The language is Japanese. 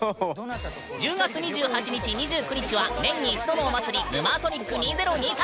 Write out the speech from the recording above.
１０月２８日２９日は年に一度のお祭り「ヌマーソニック２０２３」。